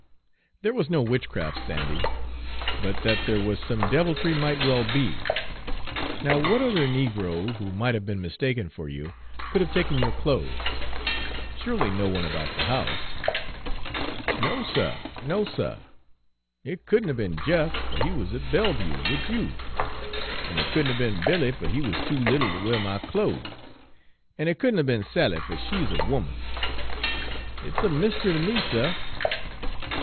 "There was no witchcraft, Sandy, but that there was some deviltry might well be. Now, what other negro, who might have been mistaken for you, could have taken your clothes? Surely no one about the house?" "No, suh, no, suh. It couldn't 'a' be'n Jeff, fer he wuz at Belleview wid you; an' it couldn't 'a' be'n Billy, fer he wuz too little ter wear my clo's; an' it couldn't 'a' be'n Sally, fer she's a 'oman. It's a myst'ry ter me, suh!"